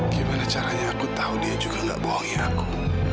gimana caranya aku tahu dia juga gak bohongi aku